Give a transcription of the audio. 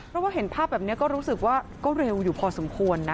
เพราะว่าเห็นภาพแบบนี้ก็รู้สึกว่าก็เร็วอยู่พอสมควรนะ